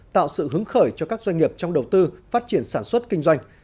tạo sự hứng khởi cho các doanh nghiệp trong đầu tư phát triển sản xuất kinh doanh